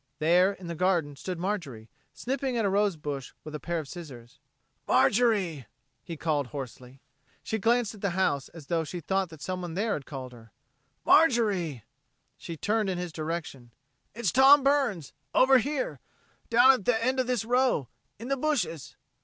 There, in the garden, stood Marjorie, snipping at a rose bush with a pair of scissors. "Marjorie!" he called hoarsely. She glanced at the house, as though she thought that someone there had called her. "Marjorie!" She turned in his direction. "It's Tom Burns over here. Down at the end of this row in the bushes."